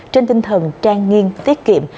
trên tinh thần trang nghiên tiết kiệm